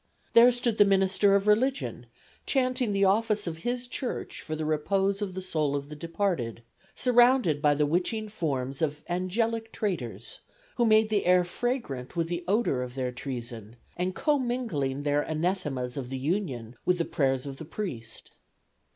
There stood the minister of religion, chanting the office of his church for the repose of the soul of the departed, surrounded by the witching forms of angelic traitors who made the air fragrant with the odor of their treason, and comingling their anathemas of the Union with the prayers of the priest.